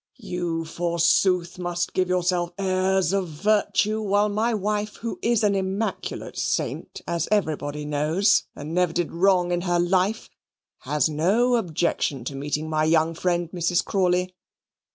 "You, forsooth, must give yourself airs of virtue, while my wife, who is an immaculate saint, as everybody knows, and never did wrong in her life, has no objection to meet my young friend Mrs. Crawley.